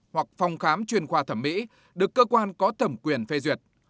hoặc phòng khám chuyên khoa thẩm mỹ được cơ quan có thẩm quyền phê duyệt